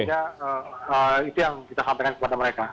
sehingga itu yang kita sampaikan kepada mereka